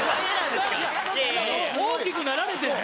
大きくなられてね。